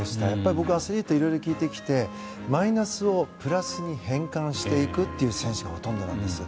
僕、アスリートにいろいろ聞いてきてマイナスをプラスに変換していく選手がほとんどなんですよ。